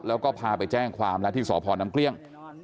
แล้วก็พาไปแจ้งความแล้วที่สพน้ำเกลี้ยง